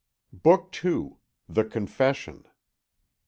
BOOK II. THE CONFESSION.